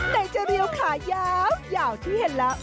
ไหนจะเรียวขายาวยาวที่เห็นละ